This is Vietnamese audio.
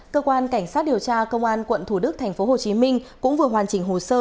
cơ quan cảnh sát điều tra công an quận thủ đức tp hcm cũng vừa hoàn chỉnh hồ sơ